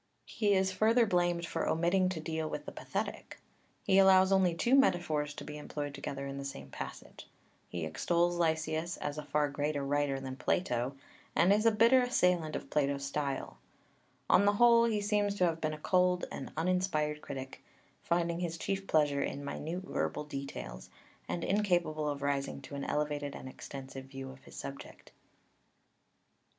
i.) He is further blamed for omitting to deal with the Pathetic (VIII. i. sqq.) He allows only two metaphors to be employed together in the same passage (XXXII. ii.) He extols Lysias as a far greater writer than Plato (ib. viii.), and is a bitter assailant of Plato's style (ib.) On the whole, he seems to have been a cold and uninspired critic, finding his chief pleasure in minute verbal details, and incapable of rising to an elevated and extensive view of his subject.